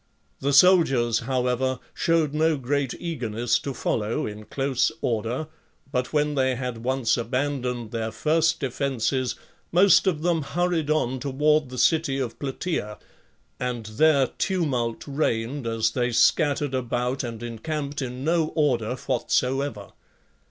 The soldiers, however, showed no great eagerness to follow in. close order, but..when, they had_ once abandoned their first defences; most of them hurried on toward the city of Plataea, and there tumult reigned as they scattered about. and encamped in no order whatsover.